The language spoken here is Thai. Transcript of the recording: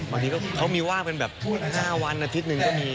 บางทีเขามีว่างเป็นแบบ๕วันอาทิตย์หนึ่งก็มี